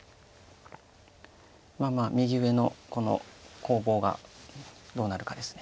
まあ右上のこの攻防がどうなるかです。